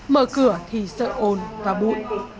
mở cửa thì sợ ồn và bụi